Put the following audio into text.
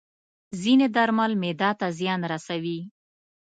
ځینې درمل معده ته زیان رسوي.